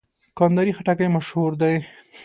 کندهاري خټکی مشهور دی.